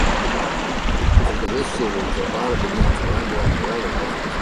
After this series, Obata began collaborating with other writers.